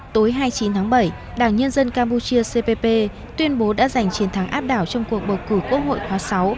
tối hai mươi chín tháng bảy đảng nhân dân campuchia cpp tuyên bố đã giành chiến thắng áp đảo trong cuộc bầu cử quốc hội khóa sáu